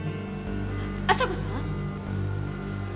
亜沙子さん？